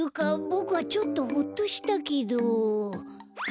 ボクはちょっとホッとしたけど。